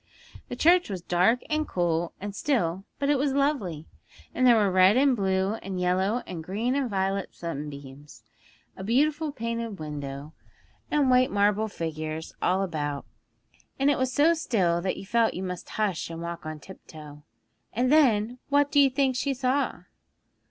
The church was dark, and cool, and still, but it was lovely; and there were red and blue and yellow and green and violet sunbeams, and beautiful painted windows, and white marble figures all about, and it was so still that you felt you must hush and walk on tiptoe. And then, what do you think she saw?'